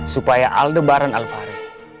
supaya aldebaran alvari